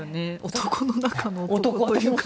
男の中の男というか。